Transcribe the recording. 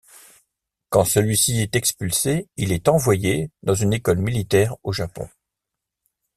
Quand celui-ci est expulsé, il est envoyé dans une école militaire au Japon.